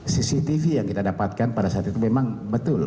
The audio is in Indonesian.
cctv yang kita dapatkan pada saat itu memang betul